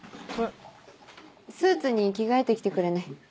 スーツに着替えて来てくれない？